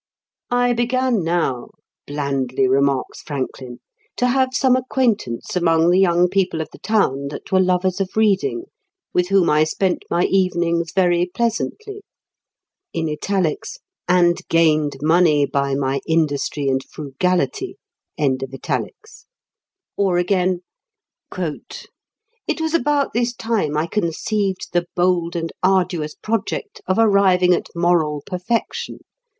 "I began now," blandly remarks Franklin, "to have some acquaintance among the young people of the town that were lovers of reading, with whom I spent my evenings very pleasantly; and gained money by my industry and frugality." Or again: "It was about this time I conceived the bold and arduous project of arriving at moral perfection....